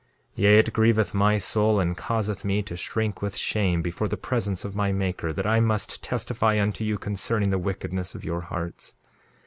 2:6 Yea, it grieveth my soul and causeth me to shrink with shame before the presence of my Maker, that I must testify unto you concerning the wickedness of your hearts.